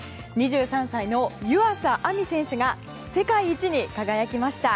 ２３歳の湯浅亜実選手が世界一に輝きました。